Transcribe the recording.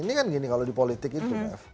ini kan gini kalau di politik itu